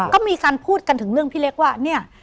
ก็มีการพูดกันถึงเรื่องพี่เล็กว่าเนี่ย